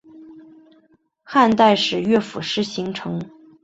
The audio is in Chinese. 汉代时乐府诗形成。